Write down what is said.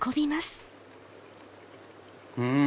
うん！